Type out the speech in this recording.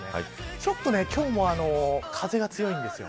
ちょっと今日も風が強いんですよ。